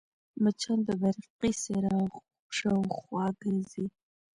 مچان د برقي څراغ شاوخوا ګرځي